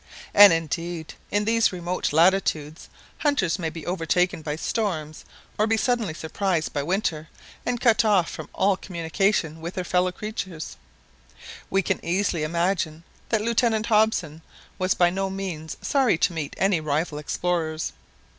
And indeed in these remote latitudes hunters may be overtaken by storms, or be suddenly surprised by winter, and cut off from all communication with their fellow creatures. We can easily imagine that Lieutenant Hobson was by no means sorry not to meet any rival explorers.